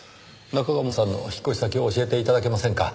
中鴨さんの引っ越し先を教えて頂けませんか？